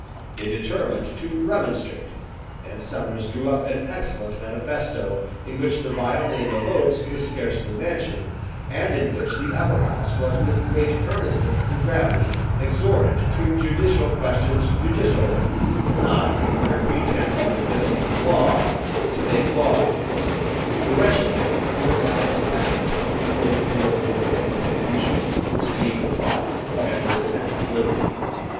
They determined to remonstrate; and Somers drew up an excellent manifesto, in which the vile name of Oates was scarcely mentioned, and in which the Upper House was with great earnestness and gravity exhorted to treat judicial questions judicially, and not, under pretence of administering law, to make law, The wretched man, who had now a second time thrown the political world into confusion, received a pardon, and was set at liberty.